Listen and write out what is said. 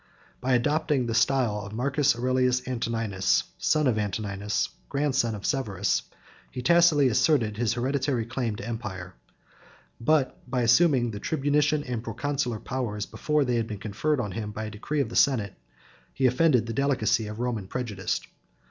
By adopting the style of Marcus Aurelius Antoninus, son of Antoninus and grandson of Severus, he tacitly asserted his hereditary claim to the empire; but, by assuming the tribunitian and proconsular powers before they had been conferred on him by a decree of the senate, he offended the delicacy of Roman prejudice.